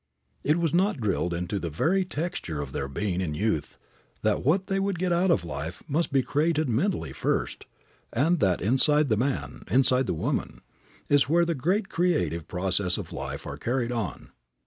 It was not drilled into the very texture of their being in youth that what they would get out of life must be created mentally first, and that inside the man, inside the woman, is where the great creative processes of life are carried on.